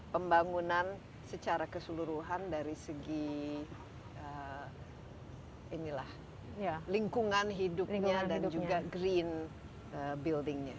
pembangunan secara keseluruhan dari segi lingkungan hidupnya dan juga green buildingnya